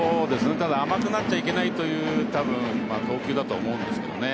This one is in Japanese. ただ甘くなっちゃいけないという投球だとは思うんですけどね。